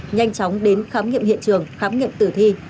nhanh chóng đến khám nghiệm hiện trường khám nghiệm tử thi